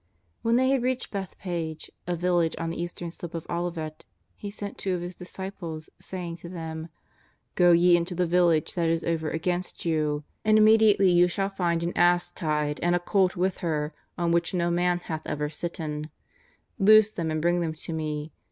When they had reached Bethphage, a village on the eastern slope of Olivet, He sent two of His disciples, saying to them :" Go ye into the village that is over against you, and immediately you shall find an ass tied and a colt ^ with her, on which no man hath ever sitten; loose i them and bring them to Me.